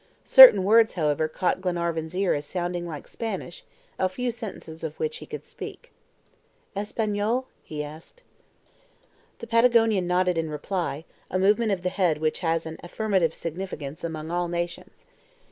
Certain words, however, caught Glenarvan's ear as sounding like Spanish, a few sentences of which he could speak. "ESPANOL?" he asked. The Patagonian nodded in reply, a movement of the head which has an affirmative significance among all nations.